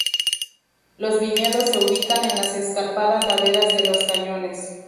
Los viñedos se ubican en las escarpadas laderas de los cañones.